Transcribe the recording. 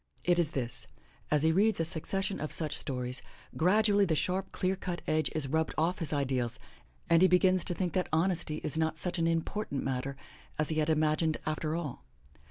It is this — as he reads a succession of such stories, grad ually the sharp, clear cut edge is rubbed off his ideals and he begins to think that honesty is not such an important matter as he had imagined after all.